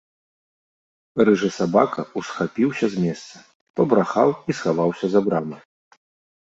Рыжы сабака ўсхапіўся з месца, пабрахаў і схаваўся за браму.